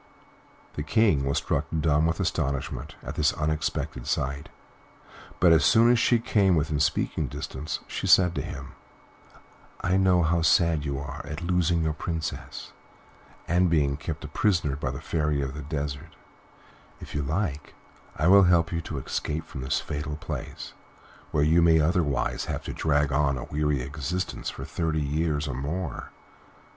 The King was struck dumb with astonishment at this unexpected sight; but as soon as she came within speaking distance, she said to him, "I know how sad you are at losing your Princess and being kept a prisoner by the Fairy of the Desert; if you like I will help you to escape from this fatal place, where you may otherwise have to drag on a weary existence for thirty years or more."